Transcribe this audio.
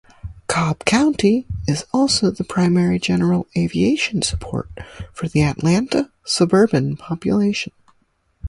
Cobb County is also the primary general aviation airport for the Atlanta suburban population.